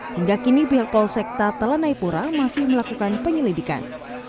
hingga kini pihak polsekta telanai pura masih melakukan penyelidikan